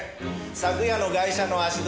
昨夜のガイシャの足取り